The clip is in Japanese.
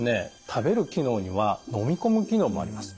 食べる機能には飲み込む機能もあります。